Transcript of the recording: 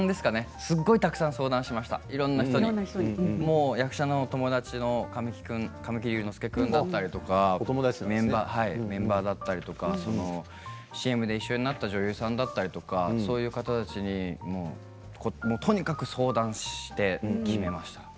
すごくたくさん相談しましたいろんな人に役者の友達の神木隆之介君だったりとかメンバーだったりとかＣＭで一緒になった女優さんだったりとかそういう方たちにとにかく相談して決めました。